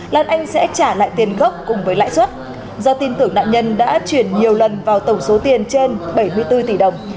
lan anh sẽ trả lại tiền gốc cùng với lãi suất do tin tưởng nạn nhân đã chuyển nhiều lần vào tổng số tiền trên bảy mươi bốn tỷ đồng